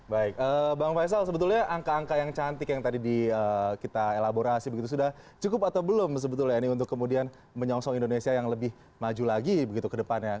baik bang faisal sebetulnya angka angka yang cantik yang tadi kita elaborasi begitu sudah cukup atau belum sebetulnya ini untuk kemudian menyongsong indonesia yang lebih maju lagi begitu ke depannya